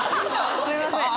すみません。